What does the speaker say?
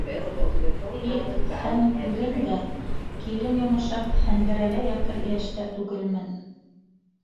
И һәм үҙем дә килен йомошап, һәндерәлә ятыр йәштә түгелмен.